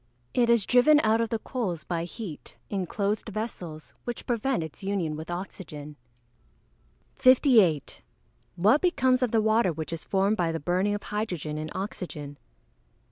_ It is driven out of the coals by heat, in closed vessels, which prevent its union with oxygen. 58. _What becomes of the water which is formed by the burning of hydrogen in oxygen?